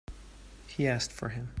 He asked for him.